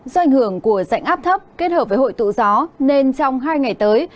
do ảnh hưởng của dạnh áp thấp kết hợp với hội tụ gió nên trong hai ngày tới